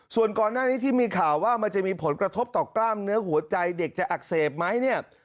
ส่วนก่อนหน้านี้ที่มีข่าวว่ามันจะมีผลกระทบต่อกล้ามเนื้อหัวใจเด็กจะอักเสบไหมเนี่ย